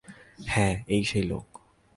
হ্যাঁ, এই সেই লোক।